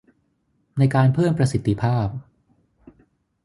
ในการเพิ่มประสิทธิภาพ